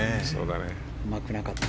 うまくなかったな。